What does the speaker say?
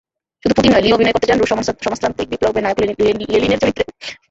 শুধু পুতিন নয়, লিও অভিনয় করতে চান রুশ সমাজতান্ত্রিক বিপ্লবের নায়ক লেনিনের চরিত্রে।